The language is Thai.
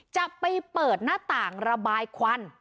จะไปเปิดหน้าต่างระบายควัน